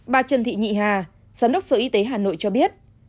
bà trần thị nhị hà giám đốc sở y tế hà nội cho biết